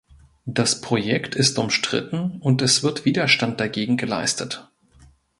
Das Projekt ist umstritten und es wird Widerstand dagegen geleistet.